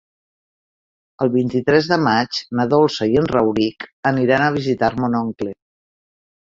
El vint-i-tres de maig na Dolça i en Rauric aniran a visitar mon oncle.